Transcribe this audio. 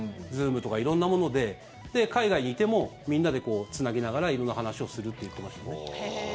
Ｚｏｏｍとか色んなもので海外にいてもみんなでつなぎながら色んな話をするって言ってましたね。